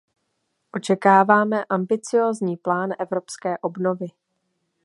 Očekáváme ambiciózní plán evropské obnovy.